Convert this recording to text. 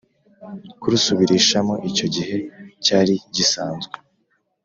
Kurusubirishamo icyo gihe cyari gisanzwe